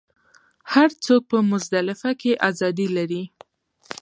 هر څوک په مزدلفه کې ازادي لري.